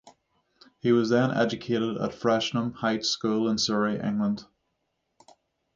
He was then educated at Frensham Heights School in Surrey, England.